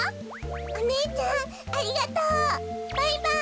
おねえちゃんありがとう。バイバイ。